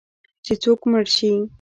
چې څوک مړ شي